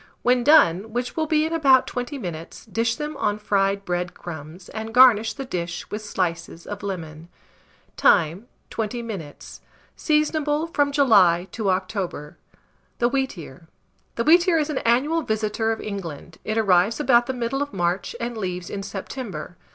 When done, which will be in about 20 minutes, dish them on fried bread crumbs, and garnish the dish with slices of lemon. Time. 20 minutes. Seasonable from July to October. THE WHEATEAR. The wheatear is an annual visitor of England: it arrives about the middle of March and leaves in September.